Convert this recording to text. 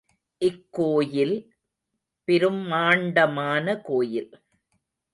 இக்கோயில் பிரும்மாண்டமான கோயில்.